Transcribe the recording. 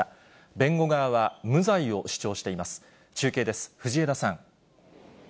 弁護側は無罪を主張しています。